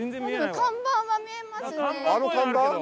看板が見えますね。